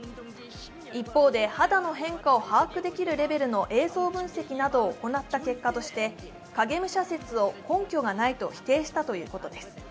一方で肌の変化を分析できるレベルの映像分析を行った結果影武者説を根拠がないと否定したとのことです。